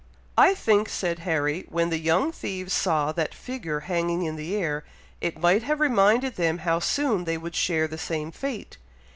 "I think," said Harry, "when the young thieves saw that figure hanging in the air, it might have reminded them how soon they would share the same fate.